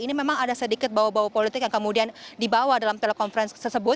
ini memang ada sedikit bau bau politik yang kemudian dibawa dalam telekonferensi tersebut